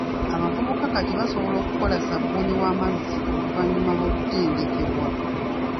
Abavubuka kati basobola okukola ssabuuni w'amazzi oluvannyuma lw'okutendekebwa.